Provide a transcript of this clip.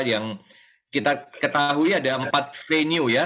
yang kita ketahui ada empat venue ya